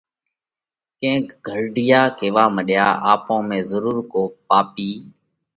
ڪينڪ گھرڍِيئا ڪيوا مڏيا: آپون ۾ ضرُور ڪوڪ پاپِي